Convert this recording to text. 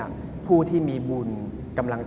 แขกเบอร์ใหญ่ของผมในวันนี้